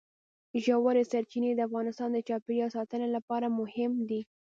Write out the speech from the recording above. ژورې سرچینې د افغانستان د چاپیریال ساتنې لپاره مهم دي.